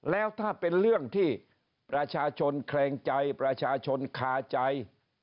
แล้วถ้าเป็นเรื่องที่ประชาชนแคลงใจประชาชนคาใจ